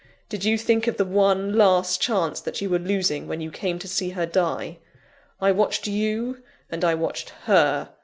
Did you think of the one, last chance that you were losing, when you came to see her die? I watched you, and I watched _her.